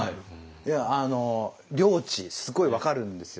いやあの「良知」すごい分かるんですよ。